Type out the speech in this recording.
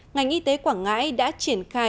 ngành y tế quảng ngãi đã triển khai